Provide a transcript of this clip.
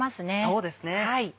そうですね。